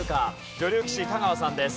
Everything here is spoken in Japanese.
女流棋士香川さんです。